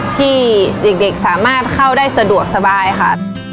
ที่เด็กสามารถเข้าได้สะดวกสบายค่ะ